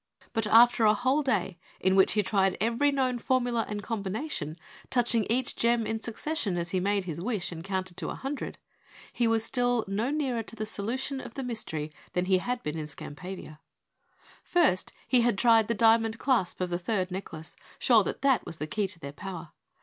But after a whole day, during which he tried every known formula and combination, touching each gem in succession as he made his wish and counted to a hundred, he was still no nearer the solution of the mystery than he had been in Skampavia. First he had tried the diamond clasp of the third necklace, sure that that was the key to their power.